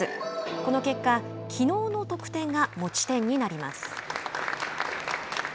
この結果、きのうの得点が持ち点になります。